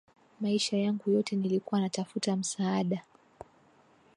Maisha yangu yote nilikuwa natafuta msaada.